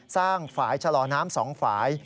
สร้างฝ่ายชะลอน้ำ๒ฝ่าย